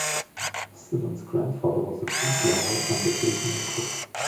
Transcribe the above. Cidon's grandfather was a food lover and occasional cook.